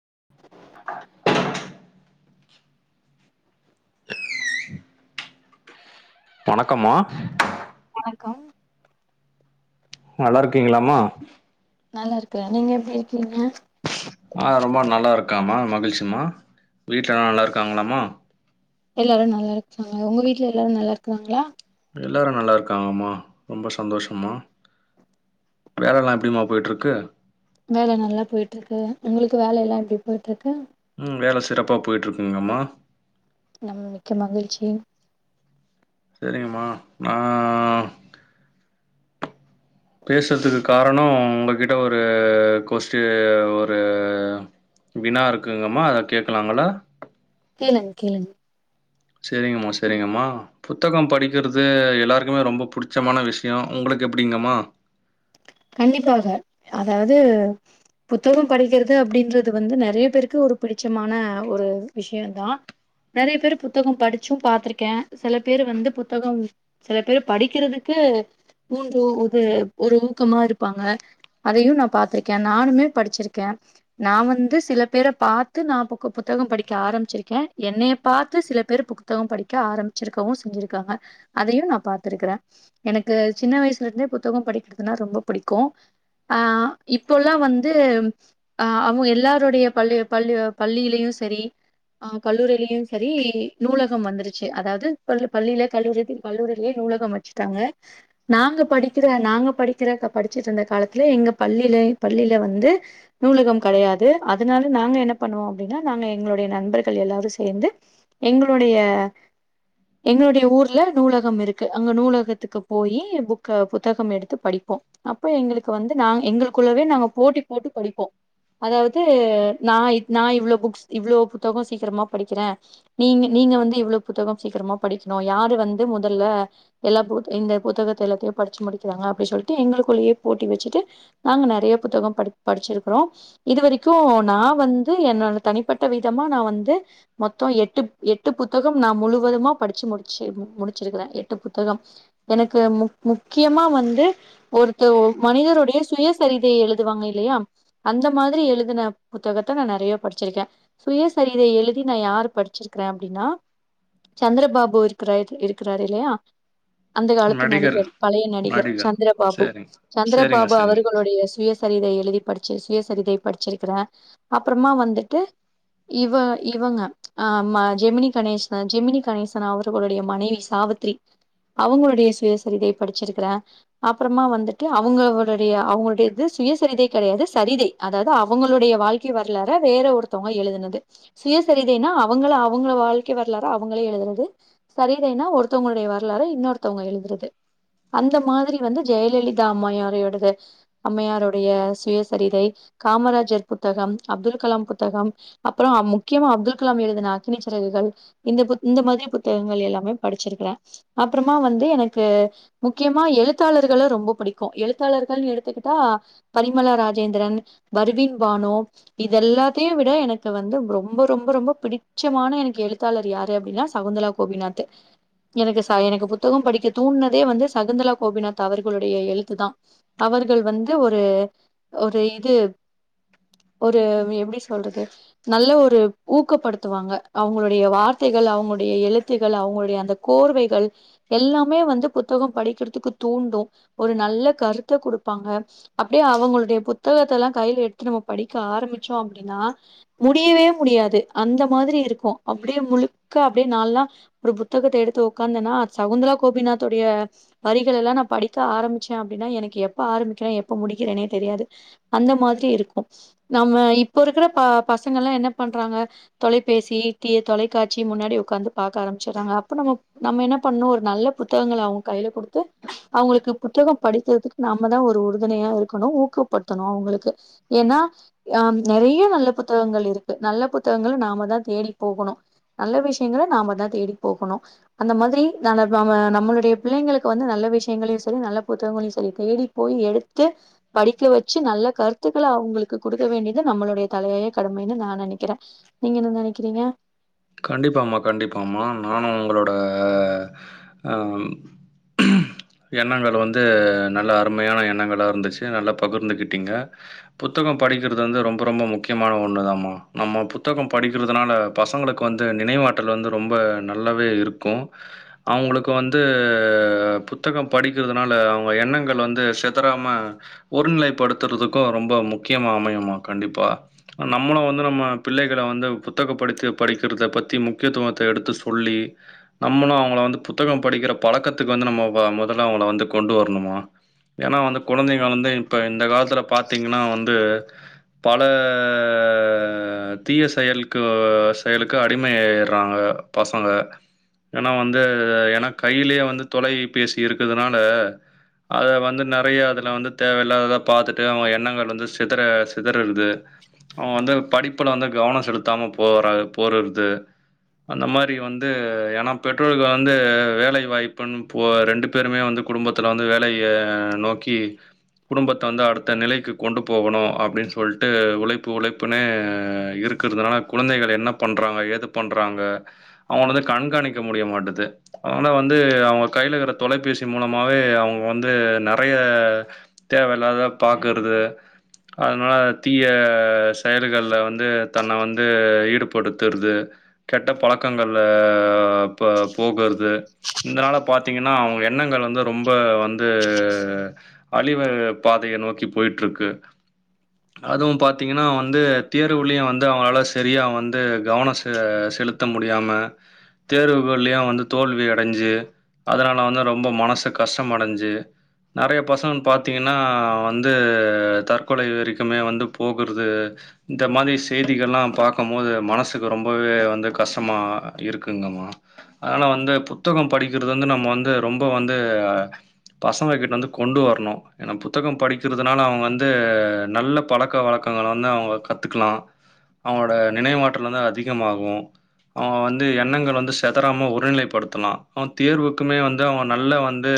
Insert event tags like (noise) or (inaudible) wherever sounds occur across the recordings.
(inaudible) (inaudible) வணக்கம்மா வணக்கம் நல்லா இருக்கீங்களாம்மா நல்லா இருக்கற நீங்க எப்பிடி இருக்கீங்க ஆ ரொம்ப நல்லா இருக்கம்மா மகிழ்ச்சிமா வீட்ட எல்லா நல்லா இருக்காங்களாமா எல்லாரு நல்லா இருக்காங்க உங்க வீட்ல எல்லாரு நல்லா இருக்கிறாங்களா எல்லாரு நல்லா இருக்காங்கம்மா ரொம்ப சந்தோஷம்மா வேலை எல்லா எப்படிம்மா போய்ட்டு இருக்கு வேலை நல்லா போயிட்டு இருக்கு உங்களுக்கு வேலை எல்லா எப்படி போயிட்டு இருக்கு உம் வேல சிறப்பா போயிட்டு இருக்குங்கம்மா நம்ம மிக்க மகிழ்ச்சி சேரிங்கம்மா நா பேசுறதுக்கு காரணோ உங்கிட்ட ஒரு கொஸ்ட்டி ஒரு வினா இருக்குங்கம்மா அத கேட்கலாங்களா கேளுங்க கேளுங்க சேரிங்கம்மா சேரிங்கம்மா புத்தகம் படிக்கிறது எல்லாருக்குமே ரொம்ப பிடிச்சமான விஷியோ உங்களுக்கு அப்பிடிங்கம்மா கண்டிப்பாக அதாவது புத்தகம் படிக்கிறது அப்படின்றது வந்து நறைய பேருக்கு ஒரு பிடிச்சமான ஒரு விஷியம் தா நறைய பேர் புத்தகம் படிச்சு பாத்திருக்கே சில பேர் வந்து புத்தகம் சில பேரு படிக்கிறதுக்கு ஊன்று இது ஒரு ஊக்கமா இருப்பாங்க அதையு நா பாத்திருக்கே நானுமே படிச்சிருக்கே நா வந்து சில பேரை பாத்து நா புக் புத்தகம் படிக்க ஆரம்பிச்சிருக்கே என்னைய பாத்து சில பேர் புக் புத்தகம் படிக்க ஆரம்பிச்சிருக்கவு செஞ்சிருக்காங்க அதையு நா பாத்திருக்கிறே எனக்கு சின்ன வயசுல இருந்தே புத்தகம் படிக்கிறதுனா ரொம்போ புடிக்கு ஆ இப்போலா வந்து அ அவங்க எல்லாருடைய பள்ளி பள்ளி பள்ளியிலையு சேரி ஆ கல்லூரியிலையு சேரி நூலகம் வந்துருச்சு அதாவது பள்ளியில கல்லூரி கல்லூரியிலேயே நூலகம் வந்து சிட்டாங்க நாங்க படிக்கிற நாங்க படிக்கி திறக்க படிச்சுட்டு இருந்த காலத்துல எங்க பள்ளியிலே பள்ளியில வந்து நூலகம் கெடையாது அதனால நாங்க என்ன பண்ணுவோ அப்படின்னா நாங்க எங்களுடைய நண்பர்கள் எல்லாரு சேந்து எங்களுடைய என்னுடைய ஊர்ல நூலகம் இருக்கு அங்க நூலகத்துக்கு போய் புக்க புத்தகம் எடுத்து படிப் போ அப்ப எங்களுக்கு வந்து நாங்க எங்களுக்குள்ளவே நாங்க போட்டி போட்டு படிப்போ அதாவது நா நா இவ்வளோ புக்ஸ் இவ்வளோ புத்தகோ சீக்கிரமா படிக்கிறே நீங்க நீங்க வந்து இவ்வளோ புத்தகம் சீக்கிரமா படிக்கணு யாரு வந்து முதல எல்லா புக் இந்த புத்தகத்த எல்லாத்தையு படிச்சு முடிக்கிறாங்க அப்படி சொல்லிட்டு எங்களுக்குள்ளேயே போட்டி வெச்சிட்டு நாங்க நறைய புத்தகோ படிச் படிச்சிருக்குரோ இது வரைக்கு நா வந்து என்னோட தனிப்பட்ட விதமா நா வந்து மொத்தோ எட்டு எட்டு புத்தகம் நா முழுவதுமா படிச்சு முடிச்சு முடிச்சிருக்கிறே எட்டு புத்தகம் எனக்கு முக் முக்கியமா வந்து ஒருத்த மனிதருடைய சுய சரிதையை எழுதுவாங்க இல்லையா அந்த மாதிரி எழுதின புத்தகத்தை நா நெறைய படிச்சிருக்கே சுயசரிதை எழுதி நா யாரு படிச்சிருக்கிறே அப்படின்னா சந்திரபாபு இருக்கிற இருக்கிறாரு இல்லையா அந்த காலத்து நடிகர் பழைய நடிகர் சந்திரபாபு சரிங்க. சரிங்க, சந்திரபாபு சரிங்க. அவர்கள் டைய சுயசரிதை எழுதி படிச்சு சுயசரிதை படிச்சிருக்கிறே அப்புறமா வந்துட்டு இவ இவங்க ஆமா ஜெமினி கணேசன் ஜெமினி கணேசன் அவர்களுடைய மனைவி சாவித்திரி அவங்களுடைய சுயசரிதை படிச்சிருக்கறே அப்புறமா வந்துட்டு அவங்களுடைய அவங்களுடைய இது சுயசரிதை கெடையாது சரிதை அதாவது அவங்களுடைய வாழ்க்கை கி வரலற வேற ஒருத்தவங்க எழுதுனது சுயசரிதன்னா அவங்கள அவங்கள வாழ்க்க வரலாற அவங்களே எழுதுறது சரி தய்னா ஒருத்தவங்களுடைய வரலாரா இன்னொருத்தவங்க எழுதுறது அந்த மாதரி வந்து ஜெயலலிதா அம்மையாரோடது அம்மையாருடைய சுயசரிதை காமராஜர் புத்தகம் அப்துல் கலாம் புத்தகம் அப்புற முக்கியமா அப்துல் கலாம் எழுதுன அக்னி சிரகுகள் இந்த பு இந்த மாரி புத்தகங்கள் எல்லாமே படிச்சிருக்கற அப்புறமா வந்து எனக்கு முக்கியமா எழுத் எழுத்தாளர்கள ரொம்ப பிடிக்கு எழுத்தாளர் எடுத்துக்கிட்டா பரிமலா ராஜேந்திரன் பர்வின் பானு இத எல்லாத்தையு விட எனக்கு வந்து ரொம்ப ரொம்ப ரொம்ப பிடிச்சமான எழுத்தாளர் யாரு அப்டின்னா சகுந்தலா கோபிநாத் எனக்கு எனக்கு புத்தக படிக்க தோணுனதே வந்து சகுந்தலா கோபிநாத் அவர்களுடைய எழுத்துதா அவர்கள் வந்து ஒரு ஒரு இது ஒரு எப்டி சொல்றது நல்ல ஒரு ஊக்கப்படுத்துவாங்க அவங்களுடைய வார்த்தைகள் அவங்களுடைய எழுத்துகள் அவங்களுடைய அந்த கோர்வைகள் எல்லாமே வந்து புத்தக படிக்கிறதுக்கு தூண்டு ஒரு நல்ல கருத்த கொடுப்பாங்க அப்டியே அவங்களுடைய புத்தகத்த எல்லா கையில எடுத்து நம்ம படிக்க ஆரம்பிச்சோ அப்டின்னா முடியவே முடியாது அந்த மாரி இருக்கு அப்டியே முழுக்க அப்டியே நால்லா ஒரு புத்தகத்த எடுத்து உட்க்காந்தேன்னா சகுந்தலா கோபிநாத்தோடைய எல்லா நா படிக்க ஆரம்பிச்சே அப்டின்னா எனக்கு எப்ப ஆரம்பிக்கிறே எப்ப முடிக்கிறே நெ தெரியாது அந்த மாரி இருக்கு நம்ம இப்ப இருக்கிற ப பசங்க எல்லா என்ன பண்றாங்க தொலைபேசி தீ தொலைக்காட்சி முன்னாடி உட்காந்து பார்க்க ஆரம்பிச்சடுறாங்க அப்ப நம்ம நம்ம என்ன பண்ணு ஒரு நல்ல புத்தகங்கள் அவ்ங்க கையில கொடுத்து அவங்களுக்கு புத்தகம் படித்ததுக்கு நாம தா ஒரு உறுதுணையா இருக்கணு ஊக்க படுத்தனும் அவங்களுக்கு ஏன்னா ஆ நிறைய நல்ல புத்தகங்கள் இருக்கு நல்ல புத்தகங்கள் நாம தா தேடி போகணு நல்ல விஷயங்கள நாம தா தேடி போகணு அந்த மாரி ந நம்மளுடைய பிள்ளைங்களுக்கு வந்து நல்ல விஷயங்களையு சரி நல்ல புத்தகங்களையு சரி தேடி போய் எடுத்து படிக்க வச்சு நல்ல கருத்துக்கள அவங்களுக்கு கொடுக்க வேண்டியது நம்மளுடைய தலையாயே கடமைன்னு நா நினைக்கிறே நீங்க என்ன நினைக்கிறீங்க கண்டிப்பாம்மா கண்டிப்பாம்மா நானு உங்களோட ஆ ம் எண்ணங்கள் வந்து நல்ல அருமையான எண்ணங்களா இருந்துச்சு நல்லா பகிர்ந்துக்கிட்டிங்க புத்தகம் படிக்கிறது வந்து ரொம்ப ரொம்ப முக்கியமான ஒண்ணு தமா நம்ம புத்தக படிக்கிறதுனால பசங்களுக்கு வந்து நினைவாட்டல் வந்து ரொம்ப நல்லாவே இருக்கு அவங்களுக்கு வந்து புத்தக படிக்கிறதுனால அவங்க எண்ணங்கள் வந்து செதறாம ஒருநிலைப்படுத்துறதுக்கு ரொம்ப முக்கியமா அமையுமா கண்டிப்பா நம்மளு வந்து நம்ம பிள்ளைகல வந்து புத்தக படுத்து படிக்கிறத பற்றி முக்கியத்துவத்த எடுத்து சொல்லி நம்மளு அவங்கள வந்து புத்தக படிக்கிற பழக்கத்துக்கு வந்து நம்ம முதல்ல அவங்கள வந்து கொண்டு வரணுமா ஏன்னா வந்து குழந்தைங்க வந்து இப்ப இந்த காலத்துல பாத்தீங்கன்னா வந்து பல தீய செயலுக்கு செயலுக்கு அடிமை ஆயிடுறாங்க பசங்க ஏனா வந்து ஏனா கைலயே வந்து தொலைபேசி இருக்கதுனால அத வந்து நெறைய அதுல வந்து தேவயில்லாததா பாத்துட்டு அவங் எண்ணங்கள் வந்து சிதற சிதறள்து அவ வந்து படிப்புல வந்து கவனோ செலுத்தாம போற போறர்து அந்த மாரி வந்து ஏன்னா பெற்றோர்கள் வந்து வேலை வாய்ப்புன்னு போ ரெண்டு பேருமே வந்து குடும்பத்துல வந்து வேலைய நோக்கி குடும்பத்த வந்து அடுத்த நிலைக்கு கொண்டு போகணு அப்டின் சொல்ட்டு உழைப்பு உழைப்புனே இருக் குறதுனால குழந்தைகள் என்ன பண்றாங்க ஏது பண்றாங்க அவங்களந்து கண்காணிக்க முடிய மாட்டுது அவுங்க வந்து அவங்க கைல இருக்ற தொலைபேசி மூலமாவே அவங்க வந்து நெறைய தேவெல்லாதத பாக்குறது அதனால தீய செயல்கள்ல வந்து தன்ன வந்து ஈடுபடுத்துறது கெட்ட பழக்கங்கள்ல போ போகறது இந்தனால பாத்தீங்கன்னா அவங்க எண்ணங்கள் வந்து ரொம்ப வந்து அழிவு பாதைய நோக்கி போயிட்ருக்கு அதுவும் பாத்தீங்கன்னா வந்து தேர்வுலயு வந்து அவங்களால சரியா வந் து கவனொ செ செலுத்த முடியாம தேர்வுகள்லுயு வந்து தோல்வி அடஞ்சு அதனால வந்து ரொம்ப மனசு கஷ்டமடஞ்சு நெறைய பசங்கள் பாத்தீங்கன்னா வந்து தற்கொலை வரைக்குமே வந்து போகுறது இந்த மாதி செய்திகள்லா பாக்கம் மோது மனசுக்கு ரொம்பவே வந்து கஷ்டமா இருக்குங்கம்மா அதனாலா வந்து புத்தகம் படிக்கிறது வந்து நம்ம வந்து ரொம்ப வந்து பசங்ககிட்டந்து கொண்டு வரணு ஏனா புத்தகம் படிக்கிறதுனால அவங்க வந்து நல்ல பழக்கொ வழக்கங்கள வந்து அவங்க கத்துக்லா இந்த நினைவாற்றல் வந்து அதிகமாகு அவ வந்து எண்ணங்கள் வந்து செதறாம ஒருநிலைப்படுத்தலா அவன் தேர்வுக்குமே வந்து அவ நல்ல வந் ந்து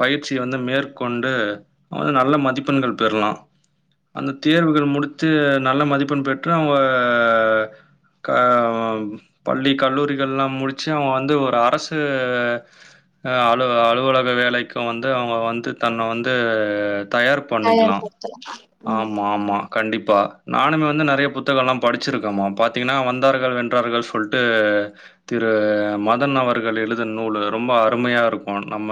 பயிற்சிய வந்து மேற்கொண்டு அவ வந்து நல்ல மதிப்பெண்கள் பெறலா அந்த தேர்வுகள் முடித்து நல்ல மதிப்பெண் பெற்று அவங்க க பள்ளி கல்லூரிகள்ல்லா முடிச்சு அவ வந்து ஒரு அரசு அ அலுவ அலுவலக வேலைக்கு வந்து அவங்க வந்து தன்ன வந்து தயார் பண்ணிக்கலா ம் ஆமா ஆமா கண்டிப்பா நானுமே வந்து நெறைய புத்தகலா படிச்சிருக்கம்மா பாத்திங்கன்னா வந்தார்கள் வென்றார்கள் சொல்ட்டு திரு மதன் அவர்கள் எழுதுன நூல ரொம்ப அருமையா இருக்கு நம்ம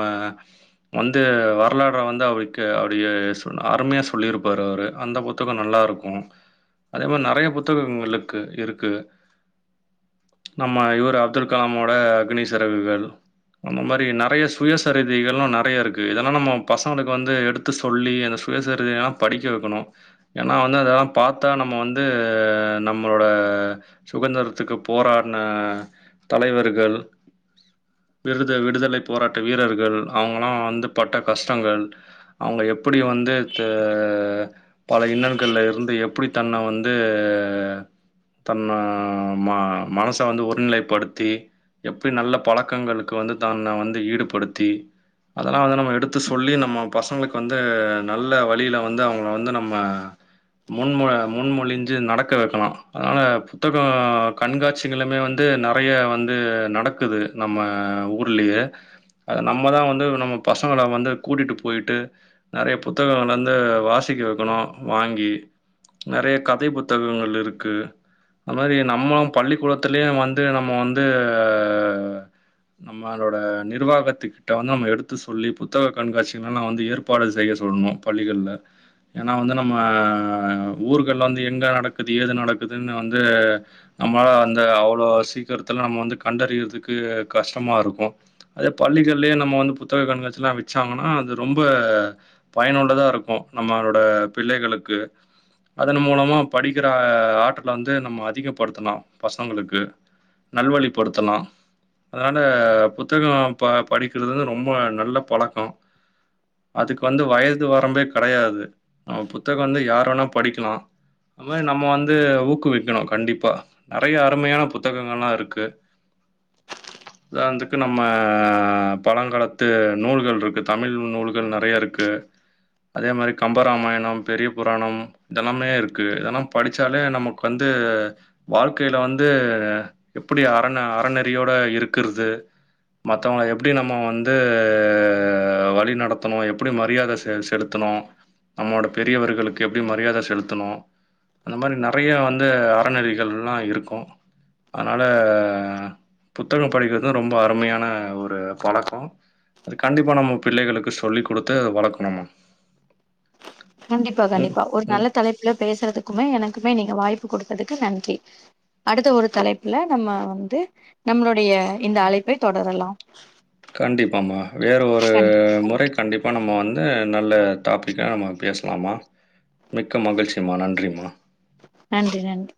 வந்து வரலாற வந்து அவிக்கே அப்டிய சொல் அருமையா சொல்லிருப்பார் அவரு அந்த புத்தகோ நல்லாருக் கு அதே மாரி நெறைய புத்தகங்களுக்கு இருக்கு நம்ம இவர் அப்துல் கலாமோட அக்னி சிறகுகள் அந்த மாரி நெறைய சுயசரிதைகள்லா நெறைய இருக்கு இதெல்லா நம்ம பசங்களுக்கு வந்து எடுத் து சொல்லி அந்த சுயசரிதயெல்லா படிக்க வக்கணு ஏனா வந்து அதெல்லா பாத்தா நம்ம வந் ந்து நம்மளோட சுகந்திரத்துக்கு போராடுன தலைவர்கள் விடுதல் விடுதலை போராட்ட வீரர்கள் அவங்கல்லா வந்து பட்ட கஷ்டங்கள் அவங்க எப்டி வந்து த பல இன்னல்கள்ல இருந்து எப்டி தன்ன வந் து தன்ன ம மனச வந்து ஒருநிலைப்படுத்தி எப்டி நல்ல பழக்கங்களுக்கு வந்து தன்ன வந்து ஈடுபடுத்தி அதெல்லா அத நம்ம எடுத்து சொல்லி நம்ம பசங்களுக்கு வந்து நல்ல வழில வந்து அவங்க வந்து நம்ம முன்ம முன்மொழி வந்து நடக்க வைக்கனும் அதனால புத்தகம் கண்காட்சிகளுமே வந்து நெறைய வந்து நடக் க்குது நம்ம ஊர்லயே அத நம்ம தா வந்து நம்ம பசங்கள வந்து கூட்டிட்டு போய்ட்டு நெறய புத்தகங்கள கொண்டு வந்து வாசிக்க வைக்கணும் வாங்கி நெறைய கதை புத்தகங்கள் இருக்கு அந்த மாரி நம்ம பள்ளிக்கூடத்துலயே வந்து நம்ம வந்து நம்மளோட நிர்வாகத்துக்கிட்ட வந்து நம்ம எடுத்து சொல்லி புத்தக கண்காட்சிகள்லா நா வந்து ஏற் ப்பாடு செய்ய சொல்லணும் பள்ளிகள்ல ஏன்னா வந்து நம்ம ஊருக் மக்கள் வந்து எங்க நடக்குது ஏது நடக்குதுன்னு வந்து நம்மளா அந்த அவ்ளோ சீக்கிரத்துல நம்ம வந்து கண்டறியதுக்கு கஷ்டமா இருக்கும் அதே பள்ளிகள்லயே நம்ம வந்து புத்தக கண்காட்சில்லா வச்சாங்கனா அது ரொம்ப பயனுள்ளதா இருக்கும் நம்மளோட பிள்ளைகளுக்கு அதன் மூலமா படிக்கிற ஆற்றல வந்து நம்ம அதிகப்படுத்தனு பசங்களுக்கு நல்வழிப்படுத்தனு அதனால புத்தகம் ப படிக்கிறது வந்து ரொம்ப நல்ல பழக்கம் அதுக்கு வந்து வயது வரம்பே கெடையாது நம்ம புத்தகம் வந்து யார் வேணா படிக்கலா அம் மாரி நம்ம வந்து ஊக்குவிக்கணும் கண்டிப்பா நெறையா அருமையான புத்தகங்கள்னா இருக்கு உதாரணத்துக்கு நம்ம பழங்காலத்து நூல்கள் இருக்கு தமிழ் நூல்கள் நெறையா இருக்கு அதே மாரி கம்பராமாயணம் பெரிய புராணம் இதெல்லாமே இருக்கு இதெல்லா படிச்சாலே நமக்கு வந்து வாழ்க்கையில வந்து எப்படி அற அறநெறியோட இருக்கறது மத்தவுங்கள எப்டி நம்ம வந்து வழி நடத்தணும் எப்டி மரியாத செ செலுத்தணும் நம்மோட பெரியவர்களுக்கு எப்டி ம மரியாத செலுத்தணும் அந்த மாரி நெறையா வந்து அறநெறிகள்லா இருக்கும் அதனால புத்தகம் படிக்கிறது ரொம்ப அருமையான ஒரு பழக்கம் அது கண்டிப்பா நம்ம பிள்ளைகளுக்கு சொல்லிக் குடுத்து அத வளக்கணுமா கண்டிப்பா ம் கண்டிப்பா ஒரு உ நல்ல தலைப்புல பேசுறதுக்குமே எனக்குமே நீங்க வாய்ப்பு குடுத்ததுக்கு நன்றி அடுத்த ஒரு தலைப்புல நம்ம வந்து நம்மளுடைய இந்த அழைப்பை தொடரலாம் கண்டிப்பாமா வேற ஒரு மொறைக் கண்டிப்பா நம்ம வந்து நல்ல டாபிக்கா நம்ம பேசலாமா மிக்க மகிழ்ச்சிமா நன்றிம்மா நன்றி நன்றி